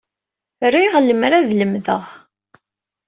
Riɣ lemmer ad lemdeɣ.